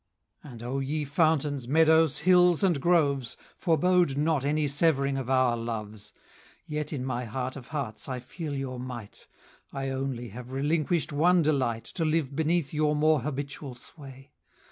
And O ye Fountains, Meadows, Hills, and Groves, Forebode not any severing of our loves! Yet in my heart of hearts I feel your might; I only have relinquish'd one delight 195 To live beneath your more habitual sway.